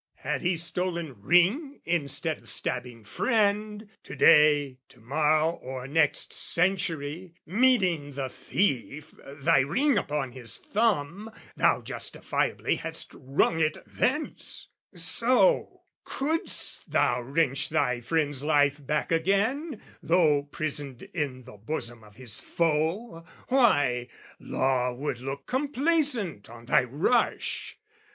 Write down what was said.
Had he stolen ring instead of stabbing friend, To day, to morrow or next century, Meeting the thief, thy ring upon his thumb, Thou justifiably hadst wrung it thence: So, couldst thou wrench thy friend's life back again, Though prisoned in the bosom of his foe, Why, law would look complacent on thy rush.